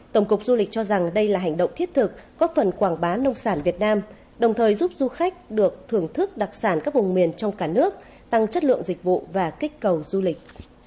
tổng cục du lịch cho rằng đây là hành động thiết thực góp phần quảng bá nông sản việt nam đồng thời giúp du khách được thưởng thức đặc sản các vùng miền trong cả nước tăng chất lượng dịch vụ và kích cầu du lịch